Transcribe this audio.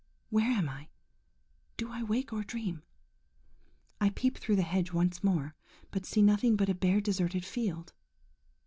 –where am I?–Do I wake or dream? I peep through the hedge once more, but see nothing but a bare, deserted field.